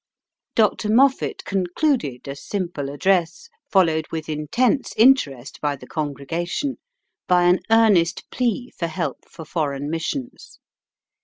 Dr. Moffat concluded a simple address, followed with intense interest by the congregation, by an earnest plea for help for foreign missions.